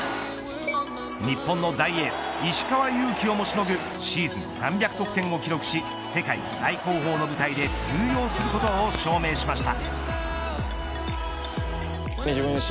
日本の大エース石川祐希をもしのぐシーズン３００得点を記録し世界最高峰の舞台で通用することを証明しました。